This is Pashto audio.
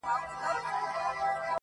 میاشتي ووتې طوطي هسی ګونګی وو-